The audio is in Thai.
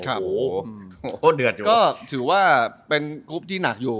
โอ้โหก็ถือว่าเป็นกรุ๊ปที่หนักอยู่